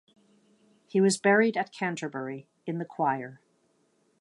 He was buried at Canterbury, in the choir.